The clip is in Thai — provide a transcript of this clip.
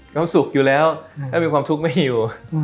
เราสุขอยู่แล้วแล้วมีความทุกข์ไม่อยู่